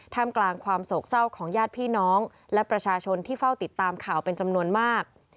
กลางกลางความโศกเศร้าของญาติพี่น้องและประชาชนที่เฝ้าติดตามข่าวเป็นจำนวนมาก